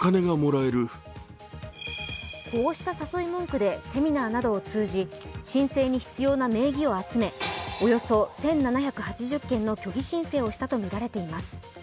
こうした誘い文句でセミナーなどを通じ申請に必要な名義を集め、およそ１７８０件の虚偽申請をしたとみられています。